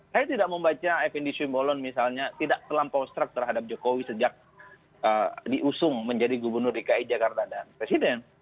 saya tidak membaca fnd simbolon misalnya tidak terlampau struk terhadap jokowi sejak diusung menjadi gubernur dki jakarta dan presiden